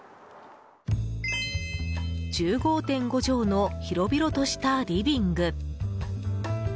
１５．５畳の広々としたリビング。